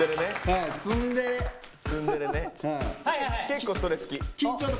結構それ好き。